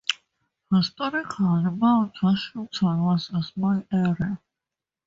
Historically, Mount Washington was a small area.